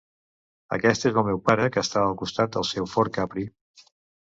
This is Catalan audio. Aquest és el meu pare que està al costat del seu Ford Capri.